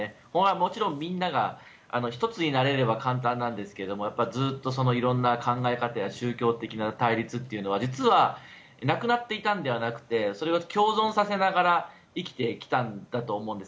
もちろんみんなが１つになれれば簡単なんですけどもずっと、いろんな考え方や宗教的な対立は実はなくなっていたんじゃなくてそれを共存させながら生きてきたんだと思うんです。